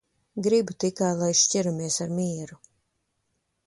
Gribu tikai, lai šķiramies ar mieru.